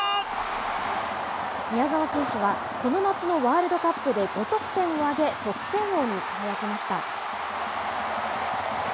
宮澤選手はこの夏のワールドカップで５得点を挙げ、得点王に輝きました。